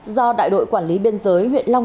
do đại đội quản lý biên giới huyện long